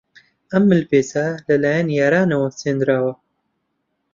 ئەم ملپێچە لەلایەن یارانەوە چنراوە.